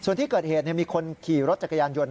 ส่วนที่เกิดเหตุมีคนขี่รถจักรยานยนต์